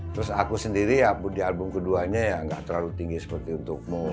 terus aku sendiri ya di album keduanya ya nggak terlalu tinggi seperti untukmu